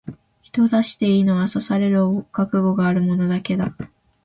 人を刺していいのは、刺される覚悟がある者だけだ。